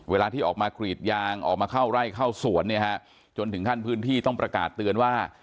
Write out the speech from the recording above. เวลาที่ออกมากรีดยางออกมาเข้าไร่เข้าสวนเนี่ยฮะจนถึงขั้นพื้นที่ต้องประกาศเตือนว่า